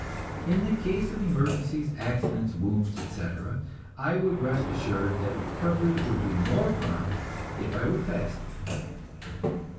In the case of emergencies, accidents, wounds, etc., I would rest assured that recovery would be more prompt if I were fasting.